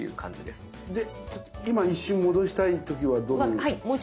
で今一瞬戻したい時はどういう？